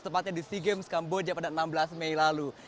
tepatnya di seagames kamboja pada enam belas mei lalu